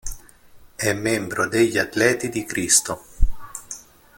È membro degli Atleti di Cristo.